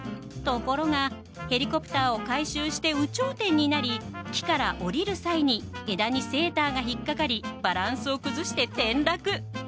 ところがヘリコプターを回収して有頂天になり木から下りる際に枝にセーターが引っ掛かりバランスを崩して転落。